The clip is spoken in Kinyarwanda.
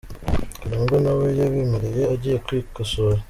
Karangwa na we yabemereyeko agiye kwikosora.